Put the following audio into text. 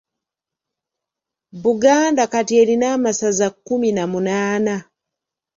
Buganda kati erina amasaza kkumi na munaana.